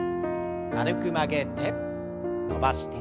軽く曲げて伸ばして。